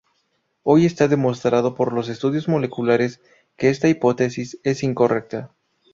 Hoy está demostrado por los estudios moleculares que esta hipótesis es incorrecta.